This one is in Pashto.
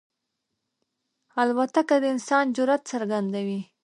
الوتکه د انسان جرئت څرګندوي.